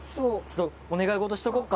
お願い事しとこっか。